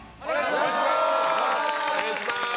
お願いします！